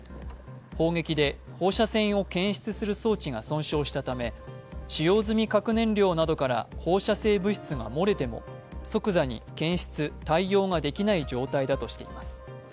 砲撃で放射線を検出する装置が損傷したため使用済み核燃料などから放射性物質が漏れても即座に検出・対応ができない状態だとしています。